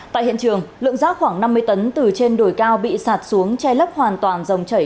tại hiện trường lượng rác khoảng năm mươi tấn từ trên đồi cao bị sạt xuống che lấp hoàn toàn dòng chảy